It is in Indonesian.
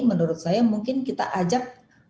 menurut saya mungkin kita ajak